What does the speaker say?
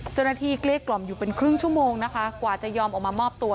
เกลี้ยกล่อมอยู่เป็นครึ่งชั่วโมงนะคะกว่าจะยอมออกมามอบตัว